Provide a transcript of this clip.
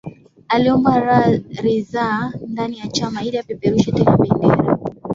Aliomba ridhaa ndani ya Chama ili apeperushe tena bendera